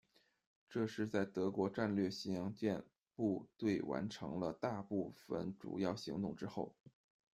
这是在德国战列巡洋舰部队完成了大部分主要行动之后。